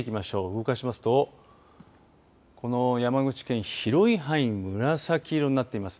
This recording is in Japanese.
動かしますとこの山口県広い範囲、紫色になっています。